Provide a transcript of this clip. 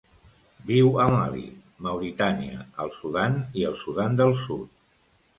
Viu a Mali, Mauritània, el Sudan i el Sudan del Sud.